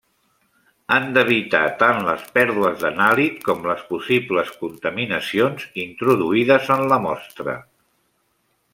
Han d'evitar tant les pèrdues d'anàlit com les possibles contaminacions introduïdes en la mostra.